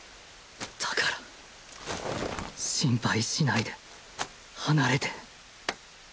だから心配しないで離れて。